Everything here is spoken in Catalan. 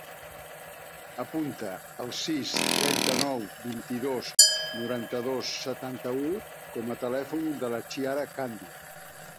Apunta el sis, trenta-nou, vint-i-dos, noranta-dos, setanta-u com a telèfon de la Chiara Candia.